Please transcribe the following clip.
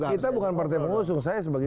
kita bukan partai pengusung saya sebagai